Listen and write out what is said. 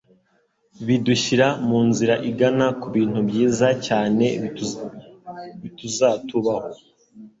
bidushyira mu nzira igana ku bintu byiza cyane bituzatubaho.”